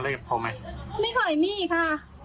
เขารู้จักกันดีนี่นะ